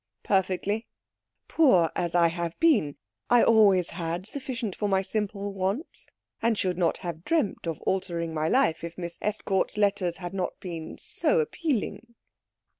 "Perfectly." "Poor as I have been, I always had sufficient for my simple wants, and should not have dreamed of altering my life if Miss Estcourt's letters had not been so appealing."